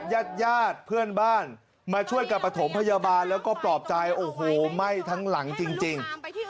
ญาติญาติเพื่อนบ้านมาช่วยกับประถมพยาบาลแล้วก็ปลอบใจโอ้โหไหม้ทั้งหลังจริง